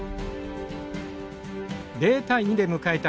０対２で迎えた